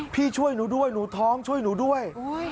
พี่ช่วยหนูด้วยหนูท้องช่วยหนูด้วย